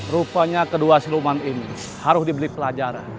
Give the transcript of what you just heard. rupanya kedua si luman ini harus dibeli pelajaran